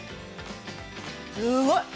◆すごい。